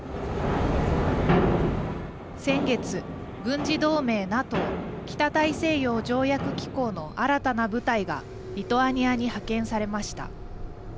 先月、軍事同盟ＮＡＴＯ＝北大西洋条約機構の新たな部隊がリトアニアに派遣されました。